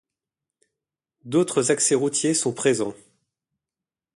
D’autres accès routiers sont présents.